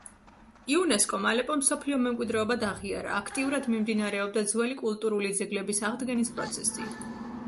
იუნესკომ ალეპო მსოფლიო მემკვიდრეობად აღიარა; აქტიურად მიმდინარეობდა ძველი კულტურული ძეგლების აღდგენის პროცესი.